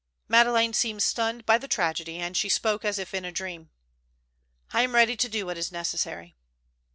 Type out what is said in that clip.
Madeleine seemed stunned by the tragedy, and she spoke as if in a dream. "I am ready to do what is necessary."